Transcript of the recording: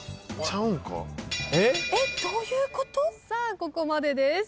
ここまでです。